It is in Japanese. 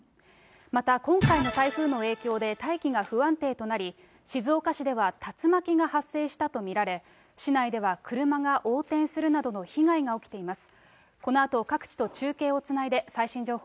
また今回の台風の影響で、大気が不安定となり、静岡市では竜巻が発生したと見られ、市内では車が横転するなどの被害が起きています。